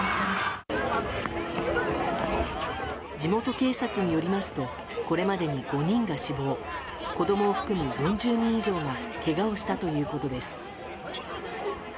地元警察によりますとこれまでに５人が死亡子供を含む４０人以上がけがをしたということです。